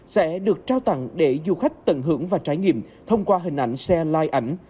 sẽ được trao tặng để du khách tận hưởng và trải nghiệm thông qua hình ảnh xe lai ảnh